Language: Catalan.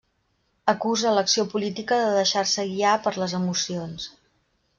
Acusa l'acció política de deixar-se guiar per les emocions.